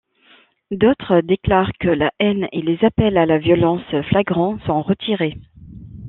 D'autres déclarent que la haine et les appels à la violence flagrants sont retirés.